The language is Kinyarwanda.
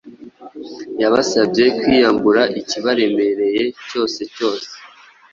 yabasabye kwiyambura ikibaremereye cyose cyose